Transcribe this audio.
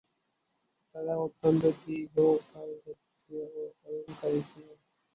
তারা অত্যন্ত দীর্ঘকায় জাতি ছিল ও অহংকারী ছিল।